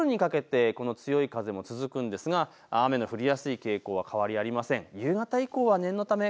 夜にかけてこの強い風も続くんですが雨の降りやすい傾向は変わりありません。